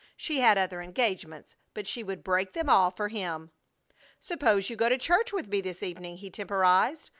She had other engagements, but she would break them all for him. "Suppose you go to church with me this evening," he temporized.